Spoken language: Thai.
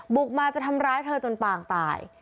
บุกมาจะทำร้ายเธอจนปางตาย